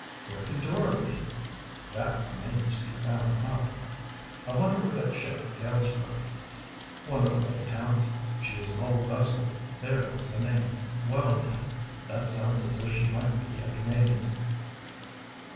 "Where can Dora be?" "That remains to be found out." "I wonder where that ship hails from?" "One of the lake towns. She is an old vessel. There is the name Wellington. That sounds as if she might be a Canadian."